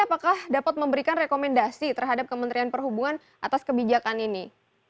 apakah dapat memberikan rekomendasi terhadap kementerian perhubungan atas kebijakan ini